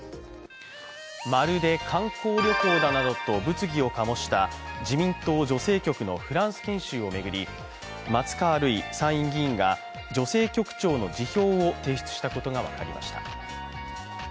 まるで観光旅行だなどと物議を醸した自民党女性局のフランス研修を巡り、松川るい参院議員が女性局長の辞表を提出したことが分かりました。